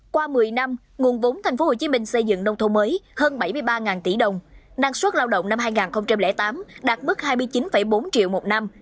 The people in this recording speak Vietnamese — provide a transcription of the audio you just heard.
qua một mươi năm nguồn vốn tp hcm xây dựng nông thôn mới hơn bảy mươi ba tỷ đồng năng suất lao động năm hai nghìn tám đạt mức hai mươi chín bốn triệu một năm